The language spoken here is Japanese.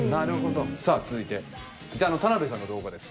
さあ続いてギターの田辺さんの動画です。